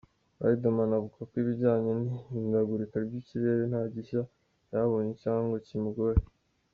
Riderman avuga ko ibijyanye n’ihindagurika by’ikirere ntagishya yahabonye cyangwa ngo kimugore.